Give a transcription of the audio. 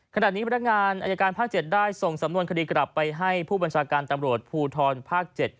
ขณะนี้พนักงานอายการภาค๗ได้ส่งสำนวนคดีกลับไปให้ผู้บัญชาการตำรวจภูทรภาค๗